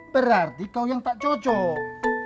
berarti kau yang tak cocok